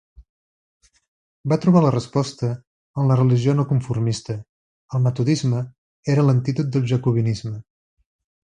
Va trobar la resposta en la religió no conformista: el metodisme era l'antídot del jacobinisme.